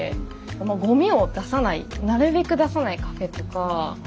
ごみを出さないなるべく出さないカフェとか。